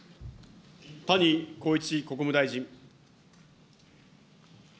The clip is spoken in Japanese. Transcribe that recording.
谷公一国務大臣。